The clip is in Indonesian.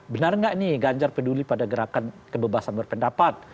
benar nggak nih ganjar peduli pada gerakan kebebasan berpendapat